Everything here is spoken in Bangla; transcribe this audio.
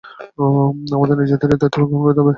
আমাদের নিজেদের এই দায়িত্বভার গ্রহণ করিতে হইবে।